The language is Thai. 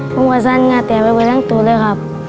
ผมก็สั้นง่าเตียนไปไว้ทั้งตู้เลยครับ